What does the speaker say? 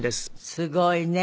すごいね。